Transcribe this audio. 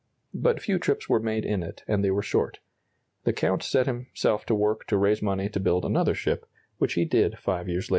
But few trips were made in it, and they were short. The Count set himself to work to raise money to build another ship, which he did five years later.